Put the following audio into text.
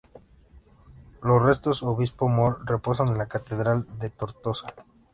Los restos del obispo Moll reposan en la catedral de Tortosa.